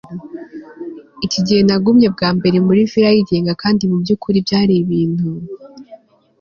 Iki gihe nagumye bwa mbere muri villa yigenga kandi mubyukuri byari ibintu